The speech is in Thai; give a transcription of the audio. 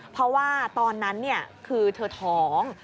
เพราะว่าตอนนั้นคือเธอท้อง